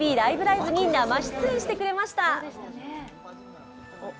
ライブ！」に生出演してくれました。